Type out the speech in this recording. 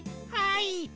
はい。